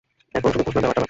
এখন শুধু ঘোষণা দেয়াটা বাকী।